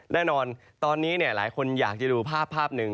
แน่นอนตอนนี้หลายคนอยากจะดูภาพภาพหนึ่ง